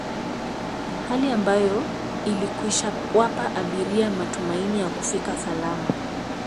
Hali ambayo ilikwishawapa abiria matumaini ya kufika salama